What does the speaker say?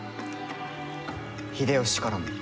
秀吉からも。